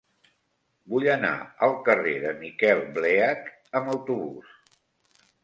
Vull anar al carrer de Miquel Bleach amb autobús.